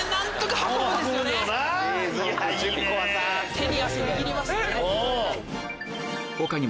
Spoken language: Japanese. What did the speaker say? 手に汗握りますね。